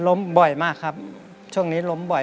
บ่อยมากครับช่วงนี้ล้มบ่อย